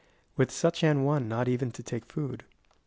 ^ With such an one not even to take food.